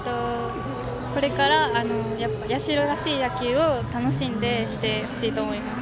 これから社らしい野球を楽しんでしてほしいと思います。